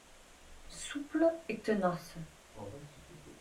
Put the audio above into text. Souple et tenace